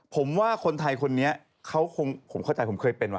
ผมว่าคนไทยคนนี้เขาคงผมเข้าใจผมเคยเป็นว่